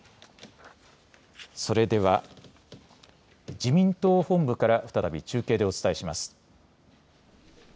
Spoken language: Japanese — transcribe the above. それでは自民党本部から再び中継でお伝えします。